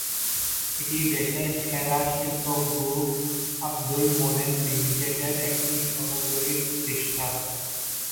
এটি দেশের সেরা শিল্প গ্রুপ আবদুল মোনেম লিমিটেডের একটি সহযোগী প্রতিষ্ঠান।